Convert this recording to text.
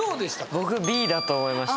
僕Ｂだと思いました